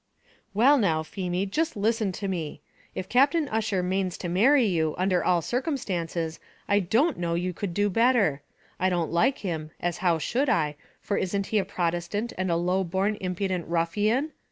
"Well, now, Feemy, jist listen to me. If Captain Ussher manes to marry you, under all circumstances, I don't know you could do better. I don't like him, as how should I, for isn't he a Protestant, and a low born, impudent ruffian?